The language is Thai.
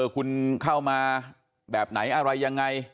คุณเข้ามาแบบไหนอะไรยังไง